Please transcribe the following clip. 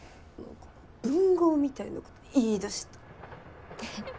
文豪みたいなこと言いだした。